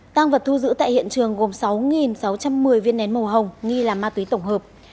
tăng vật thu giữ tại hiện trường gồm sáu sáu trăm một mươi viên nén màu hồng nghi là ma túy tổng hợp